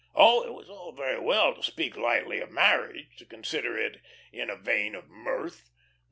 Oh, it was all very well to speak lightly of marriage, to consider it in a vein of mirth.